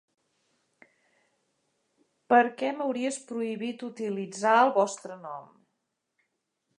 Perquè m'hauries prohibit utilitzar el vostre nom.